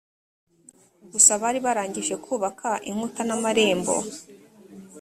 gusa bari barangije kubaka inkuta n amarembo